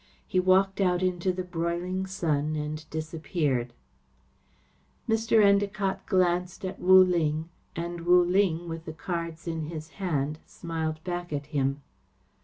He walked out into the broiling sun and disappeared. Mr. Endacott glanced at Wu Ling, and Wu Ling, with the cards in his hand, smiled back at him.